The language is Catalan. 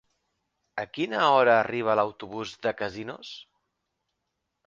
A quina hora arriba l'autobús de Casinos?